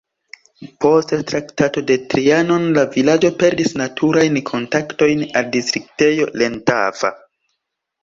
Post Traktato de Trianon la vilaĝo perdis naturajn kontaktojn al distriktejo Lendava.